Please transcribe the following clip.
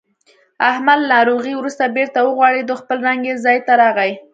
احمد له ناروغۍ ورسته بېرته و غوړېدو. خپل رنګ یې ځای ته راغی.